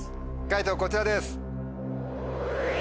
解答こちらです。